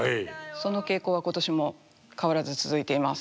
その傾向は今年も変わらず続いています。